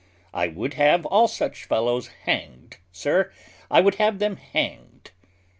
I would have all such fellows hanged, sir; I would have them hanged."